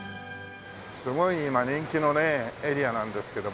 すごい今人気のねエリアなんですけどもね。